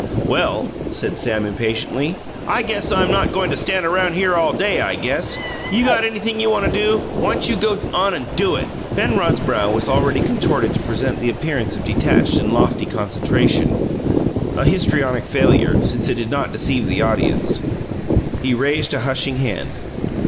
"Well," said Sam impatiently, "I guess I'm not goin' to stand around here all day, I guess! You got anything you want to do, why'n't you go on and DO it?" Penrod's brow was already contorted to present the appearance of detached and lofty concentration a histrionic failure, since it did not deceive the audience. He raised a hushing hand.